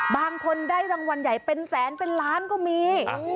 บางคนได้รางวัลใหญ่เป็นแสนเป็นล้านก็มี